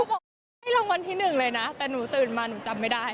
บอกว่าให้รางวัลที่หนึ่งเลยนะแต่หนูตื่นมาหนูจำไม่ได้